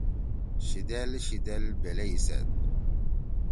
شِدیل شِدیل بِلیئی سیت